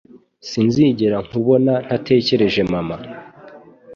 Sinzigera nkubona ntatekereje mama.